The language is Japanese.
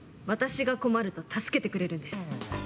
私が困ると助けてくれるんです。